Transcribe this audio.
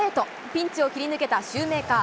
ピンチを切り抜けたシューメーカー。